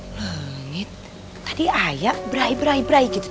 lengit tadi ayah berai berai berai gitu